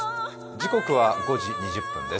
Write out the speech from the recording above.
時刻は５時２０分です。